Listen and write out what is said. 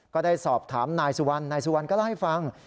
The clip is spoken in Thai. ก็ได้สอบถามนายสุวรรณนายสุวรรณก็เล่าให้ฟัง